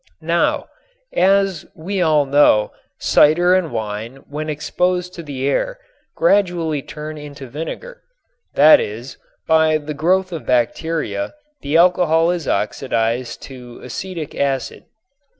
Now, as we all know, cider and wine when exposed to the air gradually turn into vinegar, that is, by the growth of bacteria the alcohol is oxidized to acetic acid.